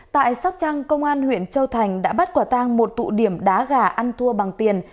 tại sóc trăng công an huyện châu thành đã bắt quả tang một tụ điểm đá gà ăn thua bằng tiền